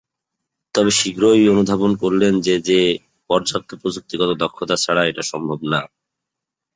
তবে, শীঘ্রই অনুধাবন করলেন যে যে পর্যাপ্ত প্রযুক্তিগত দক্ষতা ছাড়া এটা সম্ভব না।